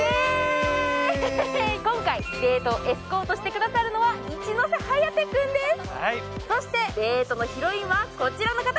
今回、エスコートしてくださるのは一ノ瀬颯君です。